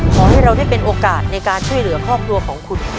ขอให้เราได้เป็นโอกาสในการช่วยเหลือครอบครัวของคุณ